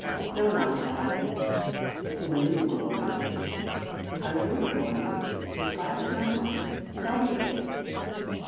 "No, not that. It's it's a new glory, Kate." "A new glory, is it? Since last night? Tell me, then."